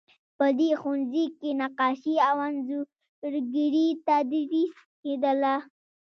په دې ښوونځي کې نقاشي او انځورګري تدریس کیدله.